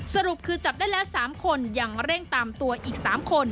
สรุปคือจับได้แล้ว๓คนยังเร่งตามตัวอีก๓คน